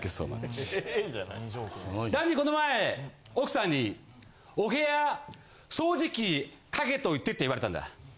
この前奥さんに「お部屋掃除機かけといて」って言われたんだ。